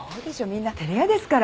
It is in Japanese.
みんな照れ屋ですから。